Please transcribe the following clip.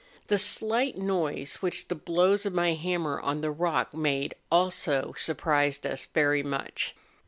The slight noise which the blows of my hammer on the rock made also surprised us very much.